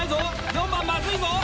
４番まずいぞ！